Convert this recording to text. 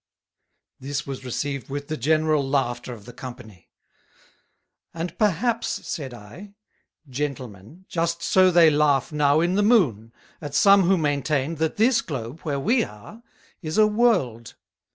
This was received with the general Laughter of the Company. "And perhaps," said I, "(Gentlemen) just so they laugh now in the Moon, at some who maintain, That this Globe, where we are, is a World."